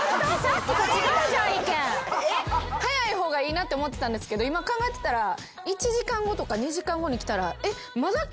早い方がいいなって思ってたんですけど今考えてたら１時間後とか２時間後に来たら。ってなりません？